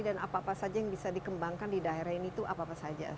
apa apa saja yang bisa dikembangkan di daerah ini itu apa apa saja